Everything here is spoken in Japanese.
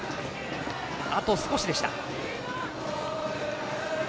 あと少しでした。